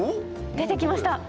出てきました。